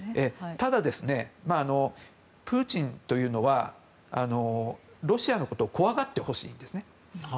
ただ、プーチンというのはロシアのことを怖がってほしいんですね。